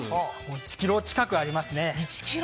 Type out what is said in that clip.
１ｋｇ近くありますね。